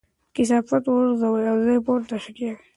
کثافات وغورځوئ او ځان پورته کړئ.